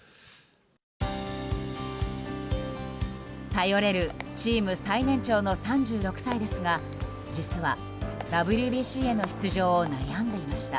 頼れるチーム最年長の３６歳ですが実はＷＢＣへの出場を悩んでいました。